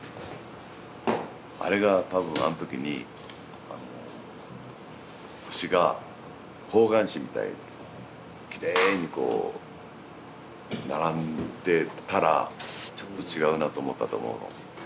あれが多分あん時にあの星が方眼紙みたいにきれいにこう並んでたらちょっと違うなと思ったと思うの。